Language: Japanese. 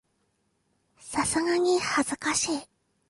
さすがに恥ずかしい